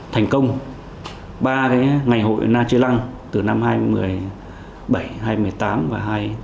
tập trung ba ngày hội na trí lăng từ năm hai nghìn một mươi bảy hai nghìn một mươi tám và hai nghìn một mươi chín